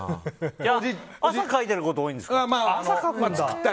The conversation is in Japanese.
朝描いてること多いんですか？